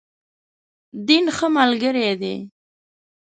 دین، ښه ملګری دی.